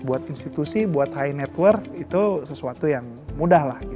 buat institusi buat high network itu sesuatu yang mudah lah